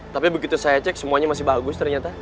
tapi begitu saya cek semuanya masih bagus ternyata